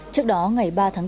trước đó ngày ba tháng bốn